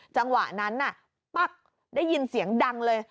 จังหวะนั้นปั๊กได้ยินเสียงดังเลย